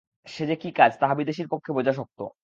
সে যে কী কাজ তাহা বিদেশীর পক্ষে বোঝা শক্ত।